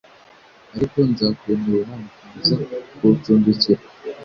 ariko nzakwemerera gukomeza kuwucumbikira